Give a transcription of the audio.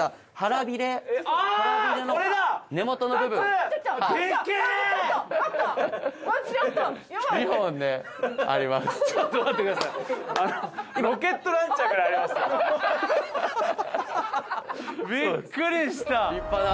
びっくりした。